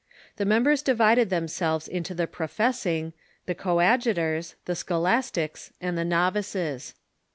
The mem bers divided themselves into the Professing, the Coadjutors, the Scholastics, and the Novices.